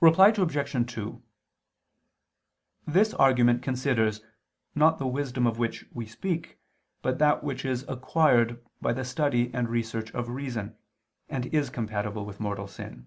Reply Obj. 2: This argument considers, not the wisdom of which we speak but that which is acquired by the study and research of reason, and is compatible with mortal sin.